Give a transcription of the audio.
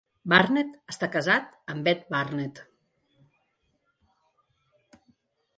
Barnett està casat amb Beth Barnett.